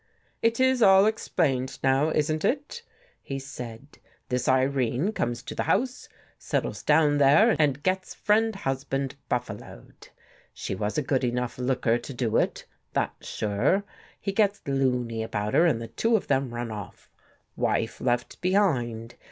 "It is all explained now, isn't it?" he said. " This Irene comes to the house, settles down there and gets friend husband buffaloed. She was a good enough looker to do it, that's sure. He gets loony about her and the two of them run off. Wife left behind.